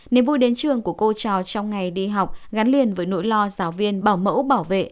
niềm vui đến trường của cô trò trong ngày đi học gắn liền với nỗi lo giáo viên bảo mẫu bảo vệ